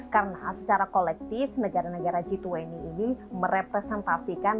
karena secara kolektif negara negara g dua puluh ini merepresentasikan